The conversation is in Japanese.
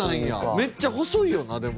めっちゃ細いよなでも。